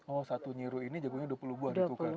oh satu nyiru ini jagungnya dua puluh buah nikukan